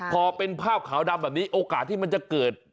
พอเป็นภาพขาวดำแบบนี้โอกาสที่มันจะเกิด